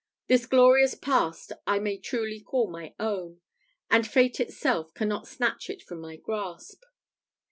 This glorious past I may truly call my own, and fate itself cannot snatch it from my grasp.